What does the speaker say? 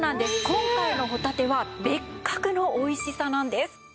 今回のほたては別格のおいしさなんです。